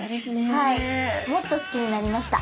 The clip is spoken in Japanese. はいもっと好きになりました。